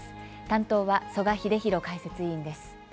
担当は曽我英弘解説委員です。